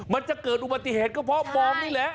มันจะเกิดอุบัติเหตุก็เพราะมองนี่แหละ